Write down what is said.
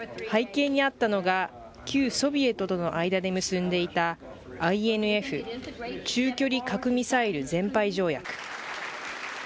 背景にあったのが、旧ソビエトとの間で結んでいた、ＩＮＦ・中距離核ミサイル全廃条約。